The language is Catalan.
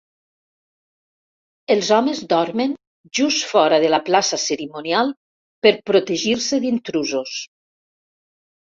Els homes dormen just fora de la plaça cerimonial per protegir-se d'intrusos.